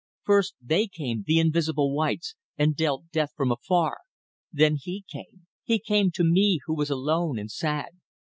First they came, the invisible whites, and dealt death from afar ... then he came. He came to me who was alone and sad.